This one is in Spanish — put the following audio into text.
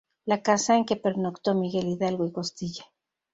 La casa en que pernoctó Miguel Hidalgo y Costilla.